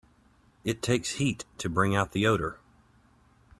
It takes heat to bring out the odor.